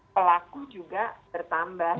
pelaku juga bertambah